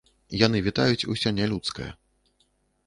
Яны вітаюць усё нялюдскае.